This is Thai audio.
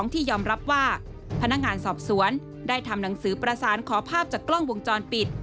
ที่ยอมรับว่าพนักงานสอบสวนได้ทำหนังสือประสานขอภาพจากกล้องวงจรปิด